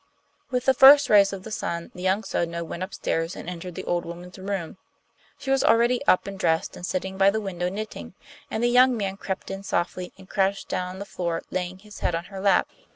With the first rays of the sun the young Sodno went upstairs and entered the old woman's room. She was already up and dressed, and sitting by the window knitting, and the young man crept in softly and crouched down on the floor, laying his head on her lap.